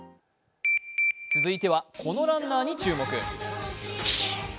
続いてはこのランナーに注目。